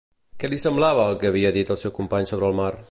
Què li semblava el que havia dit el seu company sobre el mar?